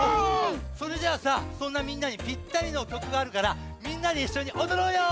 それじゃあさそんなみんなにぴったりのきょくがあるからみんなでいっしょにおどろうよ！